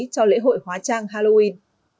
cho lễ hội hóa trang halloween